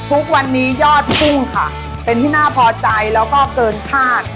ทุกวันนี้ยอดพุ่งค่ะเป็นที่น่าพอใจแล้วก็เกินคาด